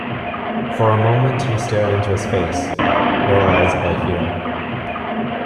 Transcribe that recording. For a moment he stared into his face — paralysed by fear.